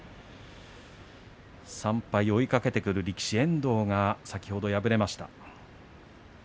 ３敗、追いかけてくる力士遠藤が先ほど敗れました。